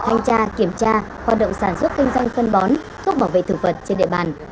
thanh tra kiểm tra hoạt động sản xuất kinh doanh phân bón thuốc bảo vệ thực vật trên địa bàn